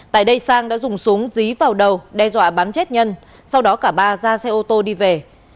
tại đây sang đã dùng súng dí vào đầu đe dọa bắn chết nhân sau đó cả ba ra xe ô tô đi về